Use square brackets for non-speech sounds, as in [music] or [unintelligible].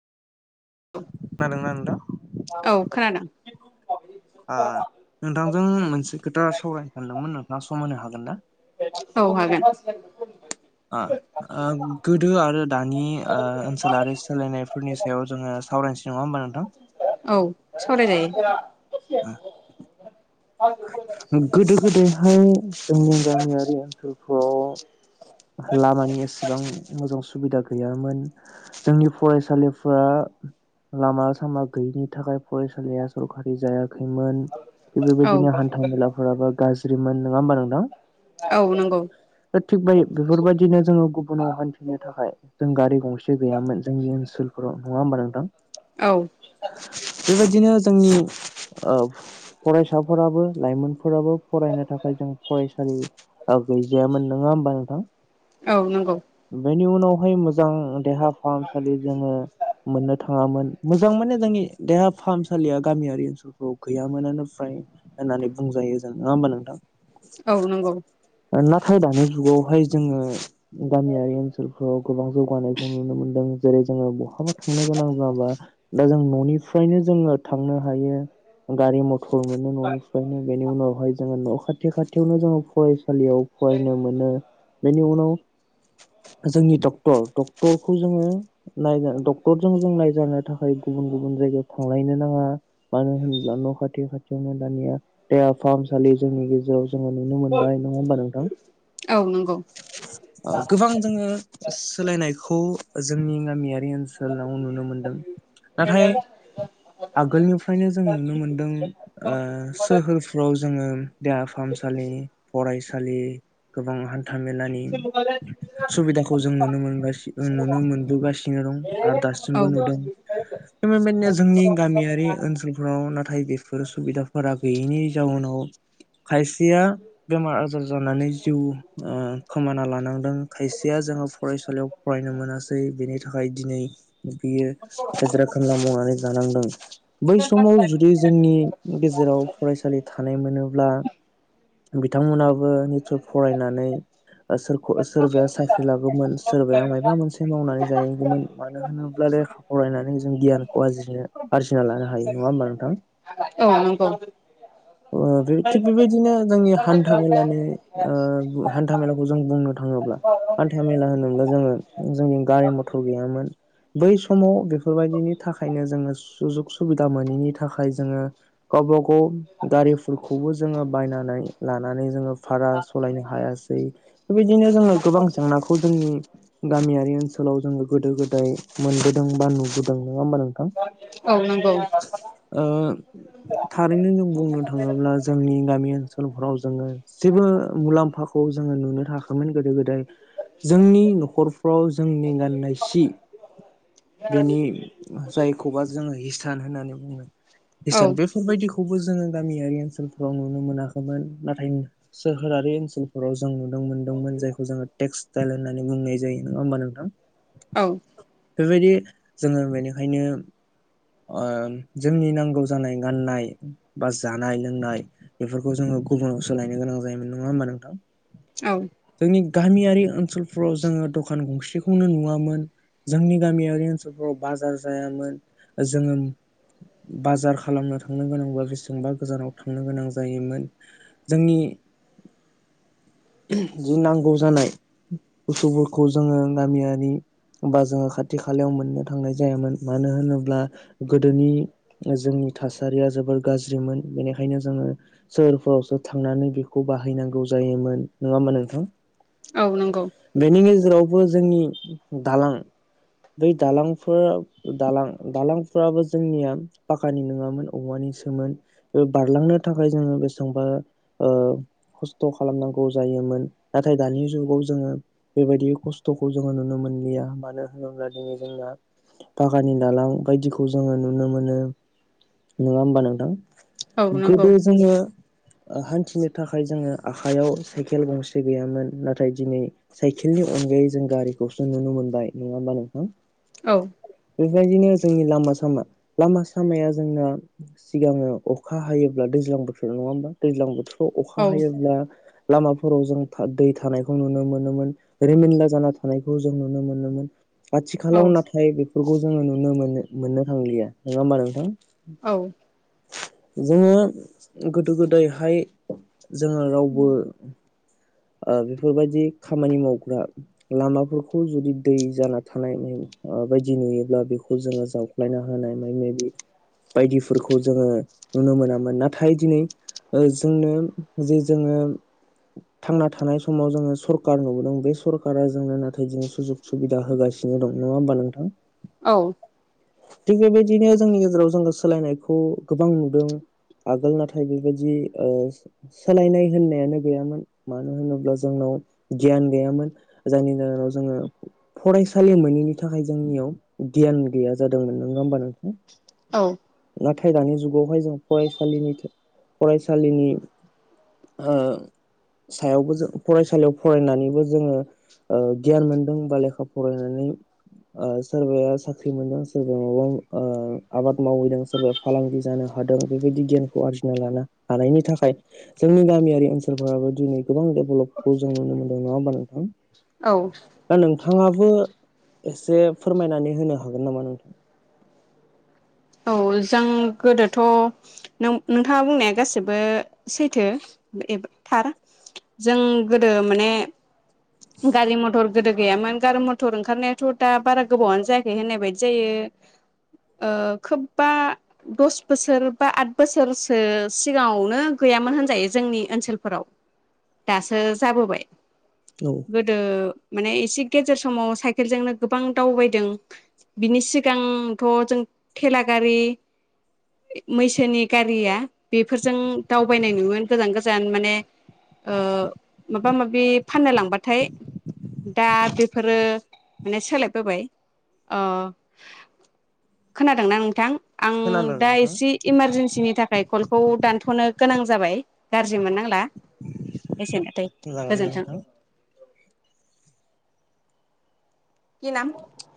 खोनादोंना नोंथां औ खोनादों, आ नोंथांजों मोनसे खोथा सावरायनो सानदोंमोन ना सम होनो हागोन ना? औ हागोन। आ ओ गोदो आरो दानि ओ ओनसोल आरो सोलायनायफोरनि सायाव जोङो सावरायनोसै नङा होमबा नोंथां? सावराय जायो। गोदो गोदायहाय, जोंनि गामियारि ओनसोलफ्राव लामानि एसेबां मोजां सुब बिदा गैयामोन जोंनि फरायसालिफा लामा, सामा गैयिनि थाखाय फरायसालिया सरकारि जाया खैमोन औ बेबायदिनो हान्था मेलाफोराबो गाज्रिमोन नङा होमबा नोंथां औ नंगौ दा थिग बाय बेफोरबायदिनो जोङो गुबुनाव हान्थिनो थाखाय जों गारि गंसे गैयामोन जोंनि ओनसोलफोराव नङा होनबा नोंथां औ बेबायदिनो जोंनि ओ फरायसाफोराबो लाइमोनफोराबो फरायनो थाखाय जों फरायसालि गैजायामोन नोङा होनबा नोंथां। औ नंगौ उनावहाय मोज मोजां देहा फाहामसालि जोङो मोननो थाखाय थाङामोन मोजां माने जोंनि देहा फाहामसालिया गामियारि ओनसोलफ्राव गैयामोनानो फ्राय होननानै बुंजायो जों नङा होमबा नोंथां। औ नंगौ ओ नाथाय दानि जुगावहाय जोङो गामियारि ओनसोलफोराव गोबां जौगानायखौ नुनो मोनदों। जेरै जोङो माबावबा थांनो गोनां जाबा दा जों न'निफ्रायनो जोङो थांनो हायो गारि मथर मोनो ननिफ्रायनो बेनि उनावहाय जोङो नखाथि थि खाथियाव नो जों फरायस फरायसालियाव फरायनो मोनो बेनि उनाव जोंनि डक्टर डक्टरखौ जोङो नायजानो डक्टरजों जों नायजानो थाखाय गुबुन गुबुन जायगायाव थांलायनो नाङा मानो होनब्ला नखाथि खाथियावनो दानिया देहा फाहामसालि जोंनि गेजेराव जोङो नुनो मोनबाय नङा होमबा नोंथां औ नंगौ गोबां जोङो सोलायनायखौ जोंनि गामिया ओनसोलाव नुनो मोनदों नाथाय आगोलनिफ्रायनो जों नुनो मोनदों सोहोरफ्राव जोङो देहा फाहामसालि फरायसालि सालि गोबां हान हान्थाामेलानि सुबिदाखौ जों नुनो मोनगासि नुनो मोनबोगासिनो दं आरो दासिमबो नुदों बेबायदिनो जोंनि गामियारि औ ओनसोलफोराव नाथाय बेफोर सुबिदाफोरा गैयैनि जाउनाव खायसेया बेमार आजार जानानै जिउ खोमाना लानांदों खायसेया जोङो फरायसालियाव फरायनो मोनासै बेनि थाख थाखाय दिनै बियो हाजिरा खामला मावनानै जानांदों बै समाव जुदि जोंनि गेजेराव फरायसालि थानाय मोनोब्ला बिद बिथांमोनहाबो निस फरायनानै ओ सोरखौ सोरबाया साख्रि लागौमोन सोरबाया मायबा मोनसे मावनानै जाहैगौमोन औ नंगौ। ओ बे थिग बेबायदिनो जोंनि हान्था मेलानि ओ हान्था मेलाखौ जों बुंनो थाङोब्ला हान्था मेला होनोब्ला जोङो जोंनि गारि मथर गैयामोन बै समाव बेफोरबायदिनि थाखायनो जोङो सुजुग सुबिदा मोनैनि थाखाय जोङो गावबा गाव [unintelligible] बायनानै लानानै जोङो भारास हायासै बेबायदिनो जोङो गोबां जेंनाखौ जोंनि गामियारि ओनसोलाव जोङो गोदो गोदाय मोनबोदों बा नुबोदों नङा होमबा नोंथां औ नंगौ। औ ओ थारैनो जों बुंनो थाङोब्ला जोंनि गामि सोलफोराव जोङो जेबो मुलाम्फाखौ जोङो नुनो थाङाखैमोन। गोदो गोदाय जोंनि नखरफ्राव जोंनि गाननाय सि बेनि जायखौबा जोङो हि सान होननानै बुङो। हिसान बेफोरबायदिखौ खौबो जोङो गामियारि ओनसोलफ्राव नुनो मोनाखैमोन नाथाय सो नोगोरारि ओनसोलफोराव जों नुनो मोनदोंमोन जायखौ जोङो टेक्सटाइल होननानै बुंनाय जायो नङा होमबा नोंथां? औ बेबायदि जोङो बेनिखायनो ओ जोंनि नांगौ जानाय गाननाय बा जानाय लोंनाय बेफोरखौ जोङो गुबुनाव सोलायनो गोनां जा जायोमोन नङा होमबा नोंथां? औ जोंनि गामियारि ओनसोलफोराव जोङो दखान गंसेखौनो नुवामोन जोंनि गामियारि ओनसोलफोराव बाजार जायामोन जोङो बाजार खालामनो थांनो गोनांबा बेसेबा गोजानाव थांनो गोनां जायोमोन जोंनि ओहोम जि नांगौ जानाय बुसतुफोरखौ जोङो गामियारि बा जोङो खाथि खालायाव मोननो थांनाय जायामोन मानो होनोब्ला गोदोनि जोंनि थासारिया जोबोर गाज्रिमोन बेनिखायनो जोङो सोहोरफोरावसो थांनानै बेखौ बायहैनांगौ जायोमोन। नङा होमबा नोंथां औ नंगौ बेनि गेजेराव बो जोंनि दालां बै दालांफोर दालां दालांफोराबो जोंनिया पाखानि नङामोन औवानिसोमोन ओ बारलांनो थाखाय जोङो बेसेबांबा ओ खस्थ खालामनांगौ गौ जायोमोन नाथाय दानि जुगाव जोङो बेबायदि खस्थखौ जोङो नुनो मोनलिया मानो होनोब्ला दिनै जोंना पाखानि दालां बायदिखौ जोङो नुनो मोनो नङा होमबा नोंथां? औ नंगौ गोदो जोङो हान्थिनो थाखाय जोङो आखाइयाव साइकेल गंसे गैयामोन नाथाय दिनै साइकेलनि अनगायै जों गारिखौसो नुनो मोनबाय नङा होमबा नों औ बेबायदिनो जोंनि लामा सामा लामा सामाया जोंना सिगाङो अखा हायोब्ला दैज्लां बोथोराव नङा होमबा दैज्लां बोथोराव अ अखा औ हायोब्ला। लामाफोराव जों था दै थानायखौ नुनो मोनोमोन रिमोनला जाना थानायखौ जों नुनो मोनोमोन औ आथिखालाव नाथाय बेफोरखौ जोङो नुनो मोनो। मोननो थांलिया नङा होमबा नोंथां औ जोङो गोदो गोदायहाय जोङो रावबो बेफोरबायदि खामानि मावग्रा लामाफोरखौ जुदि दै जाना थानाय बायदि नुयोब्ला बेखौ जोङो जावख्लायना होनाय माने बे बायदिफोरखौ जोङो नुनो मोनामोन नाथाय दिनै जोंनो जे जोङो थांना थानाय समाव जोङो सरखार नुबोदों बे सरखारा जोंनो नाथाय दिनै सुजुग सुबिदा होगासिनो दं नङा होमबा नोंथां? औ थिग बेबायदिनो जोंनि गेजेराव जोङो सोलायनायखौ गोबां नुदों आगोल नाथाय बेबायदि सोलायनाय होननायानो गैयामोन मानो होनोब्ला जोंनाव गियान गैयामोन जायनि जाहोनाव जोङो फरायसालि मोनैनि थाखाय जोंनियाव गियान गैया जादोंमोन नङा होमबा नोंथां। औ नाथाय दानि जुगावहाय जों फरायसालिनि फरायसालिनि ओ सायावबो जों फरायसालियाव फरायनानैबो जोङो गियान मोनदों बा लेखा फरायनानै सोरबाया साख्रि मोनदों सोरबाया माबा आबाद मावहैदों सोरबाया फालांगि जानो हादों बेबायदि गियानखौ आरजिना लानो हानायनि थाखाय जोंनि गामियारि ओनसोल सोलफोराबो दिनै गोबां डेभेलपखौ जों नुनो मोनदों नङा होमबा नोंथां औ औ नों नोंथाङाबो एसे फोरमायनानै होनो हागोन नामा नोंथां? औ जों गोदोथ नोंथाङा बुंनाया गासिबो सैथो थार जों गोदो माने गारि मथर गोदो गैयामोन गारि मथर ओंखारनायाथ दा बारा गोबावानो जायाखै होननाय बायदि जायो। ओ खोबबा दस बोसोर बा आद बोसोरसो सिगाङावनो गैयामोन होनजायो जोंनि ओनसोलफोराव दासो जाबोबाय। औ गोदो। माने एसे गेजेर समाव साइकेलजोंनो गोबां दावबायदों बिनि सिगांथ जों थेला गारि मैसोनि गारिया बेफोरजों दावबायनाय नुयोमोन गोजान गोजान माने ओ माबा माबि फाननो लांबाथाय दा बेफोरो माने सोलायबोबाय ओ खोनादोंना नोंथां? आं खोनादों दा नोंथां एसे इमारजेन्सिनि थाखाय कल खौ दानथनो गोनां जाबाय गाज्रि मोननांला एसेनोथै जागोन गोजोनथों। नोंथां खि नाम